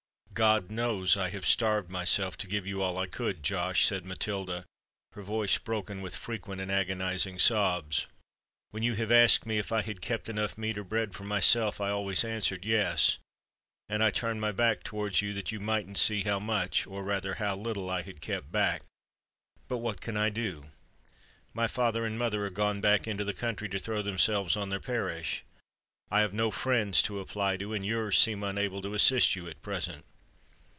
"God knows I have starved myself to give you all I could, Josh," said Matilda, her voice broken with frequent and agonising sobs. "When you have asked me if I had kept enough meat or bread for myself, I always answered yes; and I turned my back towards you that you mightn't see how much—or rather how little I had kept back. But what can I do? My father and mother are gone back into the country to throw themselves on their parish—I have no friends to apply to—and your's seem unable to assist you at present."